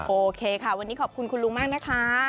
โอเคค่ะวันนี้ขอบคุณคุณลุงมากนะคะ